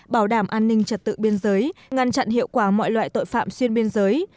bảo đảm an ninh trật tự biên giới ngăn chặn hiệu quả mọi loại tội phạm xuyên biên giới